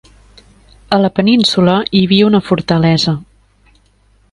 A la península hi havia una fortalesa.